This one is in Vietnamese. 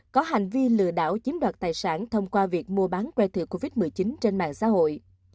có hành vi lừa đảo chiếm đoạt tài sản thông qua việc mua bán queệt covid một mươi chín trên mạng xã hội